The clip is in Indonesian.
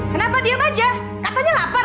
kenapa diam aja katanya lapar